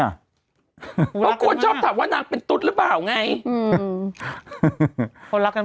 อ่ะเขากลัวชอบถามว่านางเป็นตุ๊ดหรือเปล่าไงอืมคนรักกันมาก